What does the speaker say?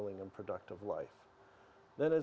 saya masuk ke kelas sekolah